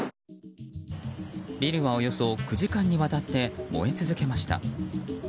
ビルはおよそ９時間にわたって燃え続けました。